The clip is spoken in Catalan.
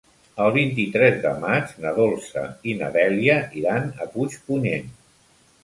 El vint-i-tres de maig na Dolça i na Dèlia iran a Puigpunyent.